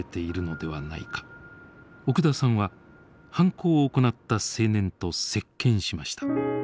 奥田さんは犯行を行った青年と接見しました。